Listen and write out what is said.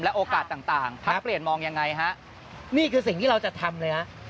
โอกาสต่างพักเปลี่ยนมองยังไงฮะนี่คือสิ่งที่เราจะทำเลยฮะ